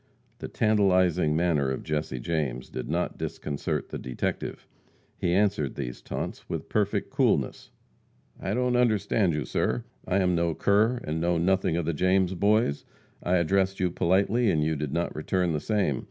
The tantalizing manner of Jesse James did not disconcert the detective. He answered these taunts with perfect coolness: "I don't understand you, sir. I am no cur, and know nothing of the James Boys. I addressed you politely, and you did not return the same.